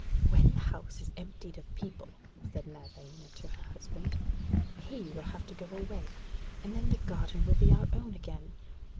'When the house is emptied of people,' said Nagaina to her husband, 'he will have to go away, and then the garden will be our own again.